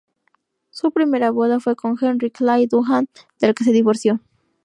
Su primera boda fue con Henry Clay Dunham, del que se divorció.